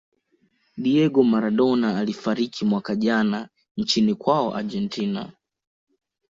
diego maradona alifariki mwaka jana nchini kwao argentina